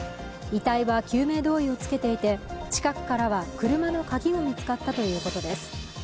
遺体は救命胴衣を着けていて、近くからは車の鍵も見つかったということです。